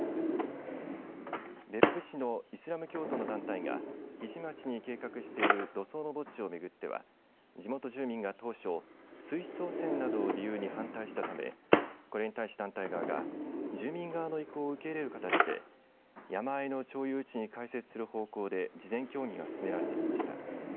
別府市のイスラム教徒の団体が日出町に計画している土葬の墓地を巡っては地元住民が当初水質汚染などを理由に反対したためこれに対し団体側が住民側の意向を受け入れる形で山あいの町有地に開設する方向で事前協議が進められてきました。